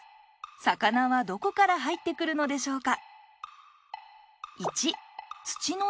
魚はどこから入ってくるのでしょうか？